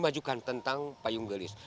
memajukan tentang payung gelis